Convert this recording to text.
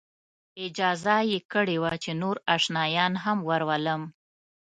اجازه یې کړې وه چې نور آشنایان هم ورولم.